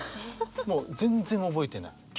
もう全然覚えてない。